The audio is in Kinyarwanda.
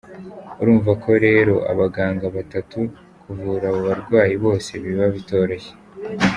Urumva ko rero abaganga batatu kuvura abo barwayi bose biba bitoroshye.